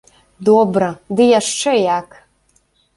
Добра, ды яшчэ як!